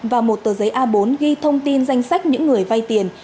và một tờ giấy a bốn ghi thông tin danh sách những người vay tiền